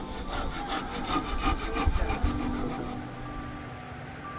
ya tuhan kami berdoa